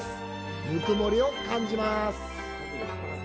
温もりを感じます。